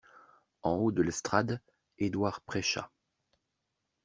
En haut de l'estrade, Édouard prêcha.